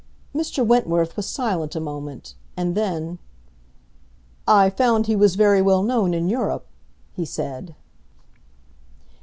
Mr. Wentworth was silent a moment, and then, "I found he was very well known in Europe," he said.